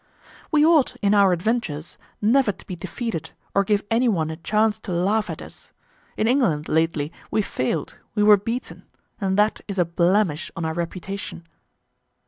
"We ought, in our adventures, never to be defeated or give any one a chance to laugh at us. In England, lately, we failed, we were beaten, and that is a blemish on our reputation."